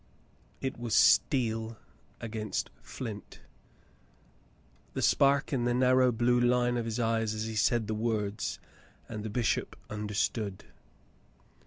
It was steel against flint, the spark in the narrow blue line of his eyes as he said the words, and the bishop under stood.